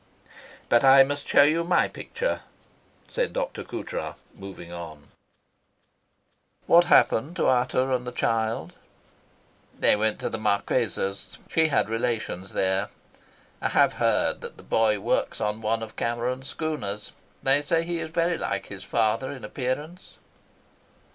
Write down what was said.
"But I must show you my picture," said Dr. Coutras, moving on. "What happened to Ata and the child?" "They went to the Marquesas. She had relations there. I have heard that the boy works on one of Cameron's schooners. They say he is very like his father in appearance."